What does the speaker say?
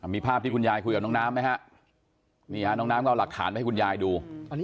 มีภาพที่คุณยายคุยกับน้องน้ำไหมฮะนี่ฮะน้องน้ำก็เอาหลักฐานไปให้คุณยายดู